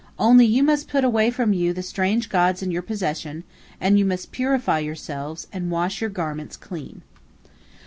Only you must put away from you the strange gods in your possession, and you must purify yourselves, and wash your garments clean."